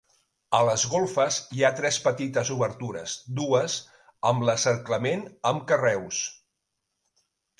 A les golfes hi ha tres petites obertures, dues amb l'encerclament amb carreus.